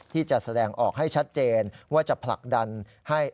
ที่จะแสดงออกให้ชัดเจนว่าจะผลักดันให้